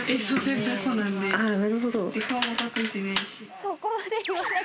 そこまで言わなくても。